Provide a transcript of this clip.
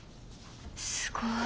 すごい。